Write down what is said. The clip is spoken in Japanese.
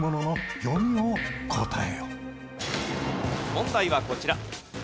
問題はこちら。